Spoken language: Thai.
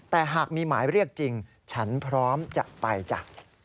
แต่หากมีหมายเรียกจริงฉันพร้อมจะไปจ้ะ